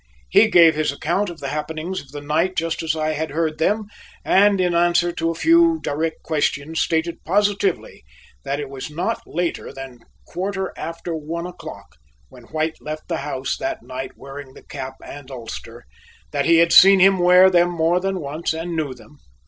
He gave his account of the happenings of the night just as I had heard them and in answer to a few direct questions stated positively that it was not later than a quarter after one o'clock when White left the house that night wearing the cap and ulster, that he had seen him wear them more than once and knew them.